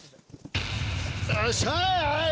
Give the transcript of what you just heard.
よっしゃ！